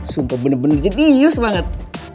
sumpah bener bener jadius banget